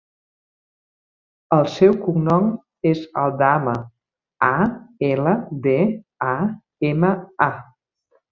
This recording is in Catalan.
El seu cognom és Aldama: a, ela, de, a, ema, a.